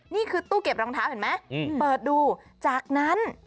นี่คือตู้เก็บรองเท้าเห็นไหมเปิดดูจากนั้น